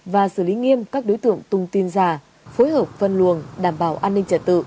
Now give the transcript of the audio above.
và xử lý nghiêm các đối tượng tung tin giả phối hợp phân luồng đảm bảo an ninh trật tự